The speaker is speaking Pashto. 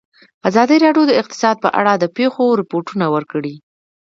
ازادي راډیو د اقتصاد په اړه د پېښو رپوټونه ورکړي.